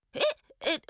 えっ！